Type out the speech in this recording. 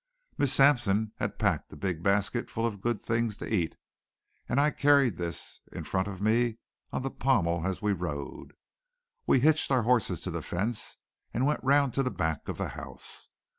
Miss Sampson had packed a big basket full of good things to eat, and I carried this in front of me on the pommel as we rode. We hitched our horses to the fence and went round to the back of the house.